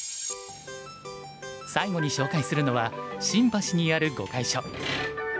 最後に紹介するのは新橋にある碁会所。